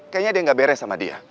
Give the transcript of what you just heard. kayaknya dia gak beres sama dia